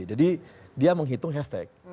jadi dia menghitung hashtag